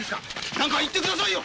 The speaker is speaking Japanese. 何か言ってくださいよ！